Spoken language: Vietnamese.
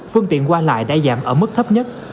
phương tiện qua lại đã giảm ở mức thấp nhất